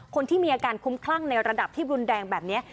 คนที่มีอาการคุ้มคลั่งในระดับที่รุนแรงแบบนี้